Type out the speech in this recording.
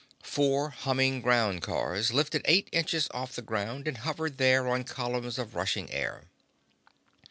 Four humming ground cars lifted eight inches off the ground and hovered there on columns of rushing air.